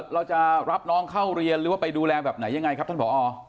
เราจะรับน้องเข้าเรียนหรือว่าไปดูแลแบบไหนยังไงครับท่านผอ